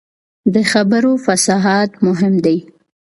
د خبرو فصاحت مهم دی